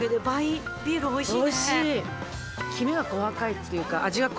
おいしい！